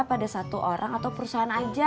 pada satu orang atau perusahaan aja